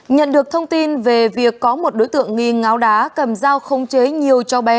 nhận được thông tin về việc có một đối tượng nghi ngáo đá cầm dao không chế nhiều cho bé